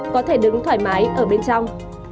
có thể đứng thoải mái ở bên trong